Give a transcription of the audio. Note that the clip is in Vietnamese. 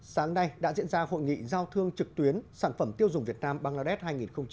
sáng nay đã diễn ra hội nghị giao thương trực tuyến sản phẩm tiêu dùng việt nam bangladesh hai nghìn hai mươi